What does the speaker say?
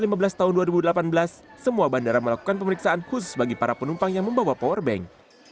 di tahun dua ribu lima belas dua ribu delapan belas semua bandara melakukan pemeriksaan khusus bagi para penumpang yang membawa powerbank